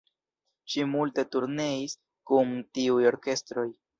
Ŝi multe turneis kun tiuj orkestroj.